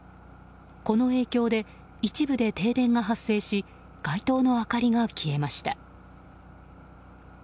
この影響で一部で停電が発生し街灯の明かりが消えました。